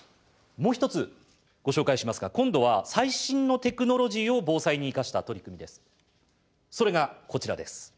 もう一つご紹介しますが今度は最新のテクノロジーを防災に生かした取り組みです。